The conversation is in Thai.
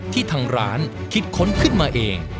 ทางร้านคิดค้นขึ้นมาเอง